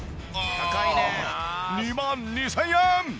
２万２０００円！